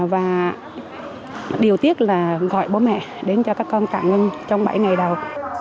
và điều tiếc là gọi bố mẹ đến cho các con cả ngân trong bảy ngày đầu